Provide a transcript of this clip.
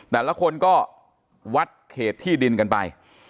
แต่ละคนก็วัดเขตที่ดินกันไป